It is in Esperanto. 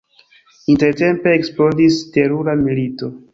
Intertempe eksplodis terura milito.